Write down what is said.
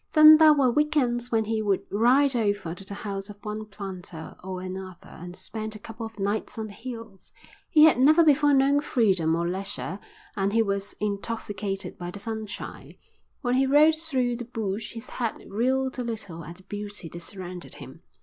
Then there were week ends when he would ride over to the house of one planter or another and spend a couple of nights on the hills. He had never before known freedom or leisure. And he was intoxicated by the sunshine. When he rode through the bush his head reeled a little at the beauty that surrounded him.